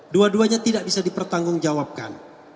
dua duanya tidak bisa dipertanggung jawabkan